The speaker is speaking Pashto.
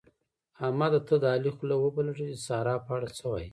احمده! ته د علي خوله وپلټه چې د سارا په اړه څه وايي؟